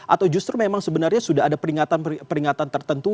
atau justru memang sebenarnya sudah ada peringatan tertentu